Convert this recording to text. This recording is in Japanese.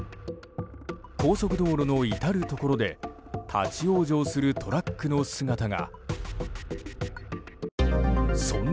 高速道路の至るところで立ち往生するトラックの姿が。